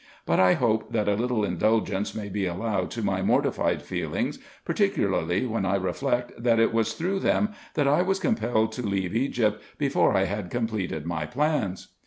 But I hope that a little indulgence may be allowed to my mortified feel ings, particularly when I reflect that it was through them that I was compelled to leave Egypt before I had completed my plans.